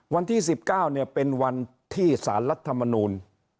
วันที่๑๙เป็นวันที่สารรัฐมนูล